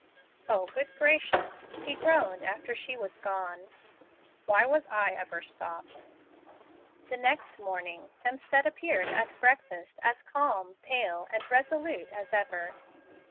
"O, good gracious!" he groaned after she was gone, "why was I ever 'stopped'?" The next morning Hemstead appeared at breakfast as calm, pale, and resolute as ever.